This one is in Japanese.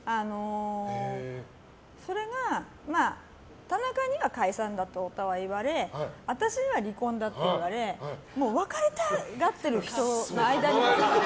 それが、田中には解散だと太田は言われ私には離婚だと言われもう別れたがってる人の間に。